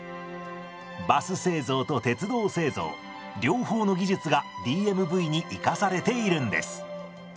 バス製造と鉄道製造両方の技術がＤＭＶに生かされているんです。